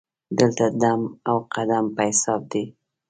دلته دم او قدم په حساب دی.